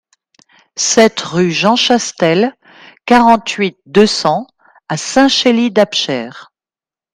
sept rue Jean Chastel, quarante-huit, deux cents à Saint-Chély-d'Apcher